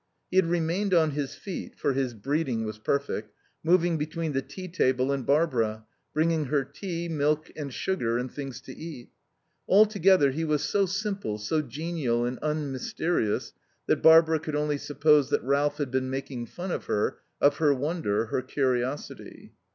He had remained on his feet (for his breeding was perfect), moving between the tea table and Barbara, bringing her tea, milk and sugar, and things to eat. Altogether he was so simple, so genial and unmysterious that Barbara could only suppose that Ralph had been making fun of her, of her wonder, her curiosity.